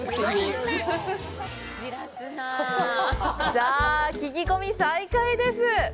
さあ、聞き込み再開です！